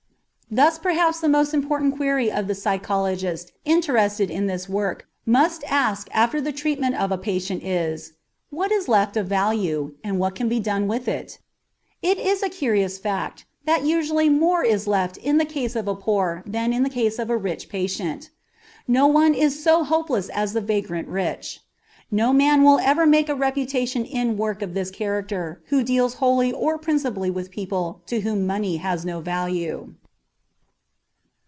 Thus perhaps the most important query the psychologist interested in this work must ask after the treatment of a patient is, What is left of value, and what can be done with it? It is a curious fact that usually more is left in the case of a poor than in the case of a rich patient. No one is so hopeless as the vagrant rich. No man will ever make a reputation in work of this character who deals wholly or even principally with people to whom money has no value.